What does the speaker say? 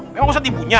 memang ustadz ibunya